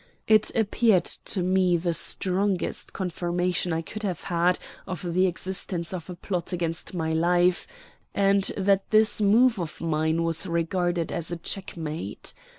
It appeared to me the strongest confirmation I could have had of the existence of a plot against my life, and that this move of mine was regarded as a checkmate.